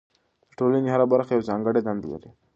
د ټولنې هره برخه یوه ځانګړې دنده لري.